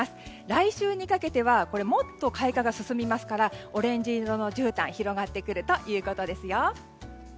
来週にかけてはもっと開花が進みますからオレンジ色のじゅうたんが広がってくるということですよ。